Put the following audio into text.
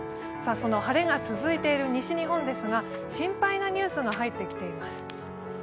その晴れが続いている西日本ですが、心配なニュースが入ってきています。